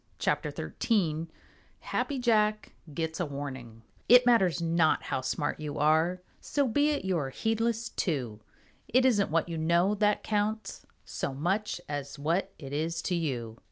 CHAPTER XIII HAPPY JACK GETS A WARNING It matters not how smart you are, So be it you are heedless too. It isn't what you know that counts So much as what it is to you.